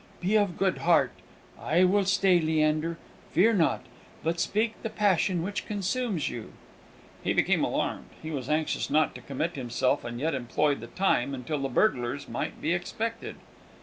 Be of good heart; I will stay, Leander. Fear not, but speak the passion which consumes you!" He became alarmed. He was anxious not to commit himself, and yet employ the time until the burglars might be expected.